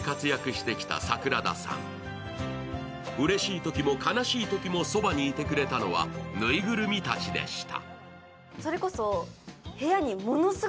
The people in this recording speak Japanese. うれしいときも悲しいときもそばにいてくれたのはぬいぐるみたちでした。